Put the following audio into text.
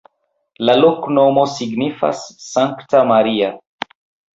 La loknomo signifas: Sankta Maria.